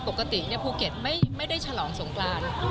ปกติภูเก็ตไม่ได้ฉลองสงกราน